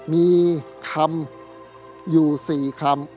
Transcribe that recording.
มีคำอยู่๔คำ